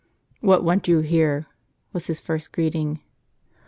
" What want you here ?" was his first greeting.